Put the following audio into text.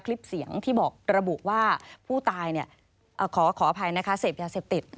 คลิปเสียงที่บอกระบุว่าผู้ตายขออภัยนะคะเสพยาเสพติด